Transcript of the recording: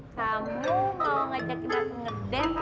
kamu mau ngajak kita ngedance ya